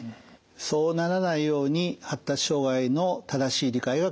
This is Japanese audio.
そうならないように発達障害の正しい理解は欠かせません。